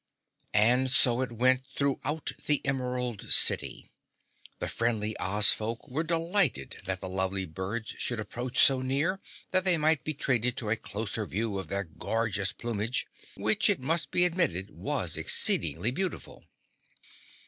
And so it went throughout the Emerald City. The friendly Oz people were delighted that the lovely birds should approach so near that they might be treated to a closer view of their gorgeous plumage, which, it must be admitted, was exceedingly beautiful.